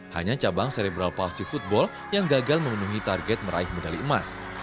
hanya cabang serebral palsi football yang gagal memenuhi target meraih medali emas